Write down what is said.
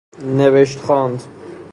نوشت خواند